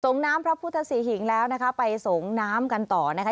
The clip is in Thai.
น้ำพระพุทธศรีหิงแล้วนะคะไปส่งน้ำกันต่อนะคะ